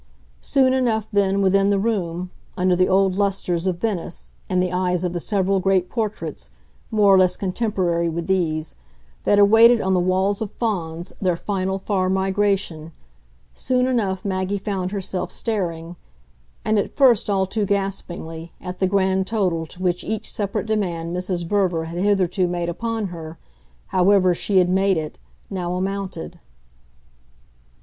Soon enough then, within the room, under the old lustres of Venice and the eyes of the several great portraits, more or less contemporary with these, that awaited on the walls of Fawns their final far migration soon enough Maggie found herself staring, and at first all too gaspingly, at the grand total to which each separate demand Mrs. Verver had hitherto made upon her, however she had made it, now amounted.